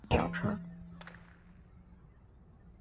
现代索纳塔是一款由现代汽车设计的中级轿车。